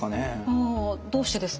あどうしてですか？